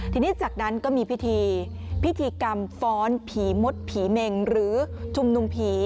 ทีนี้จากนั้นก็มีอภิธีกรรมฟ้อนผีมดผีเมง